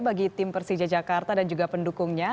bagi tim persija jakarta dan juga pendukungnya